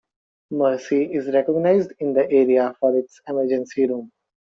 Mercy is recognized in the area for its emergency room.